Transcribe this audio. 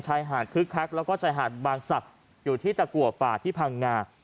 หาดคึกคักแล้วก็สายหาดบางสัตว์อยู่ที่ตะกัวป่าที่ผ่างงา